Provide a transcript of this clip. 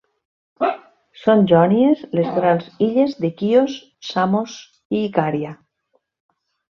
Són jònies les grans illes de Quios, Samos i Icària.